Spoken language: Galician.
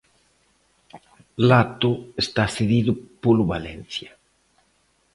Lato está cedido polo Valencia.